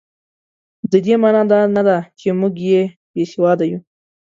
د دې مانا دا نه ده چې موږ بې سواده یو.